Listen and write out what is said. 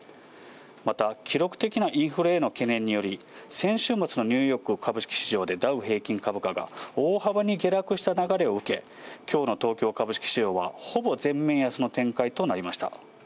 また、記録的なインフレへの懸念により、先週末のニューヨーク株式市場で、ダウ平均株価が大幅に下落した流れを受け、きょうの東京株式市場はほぼ全面安の展開となりました。